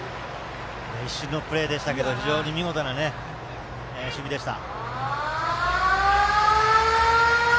一瞬のプレーでしたけど非常に見事な守備でした。